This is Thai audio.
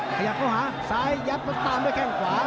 ขยับเข้าหาซ้ายยัดแล้วตามด้วยแข้งขวา